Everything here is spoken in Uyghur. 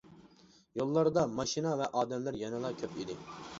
يوللاردا ماشىنا ۋە ئادەملەر يەنىلا كۆپ ئىدى.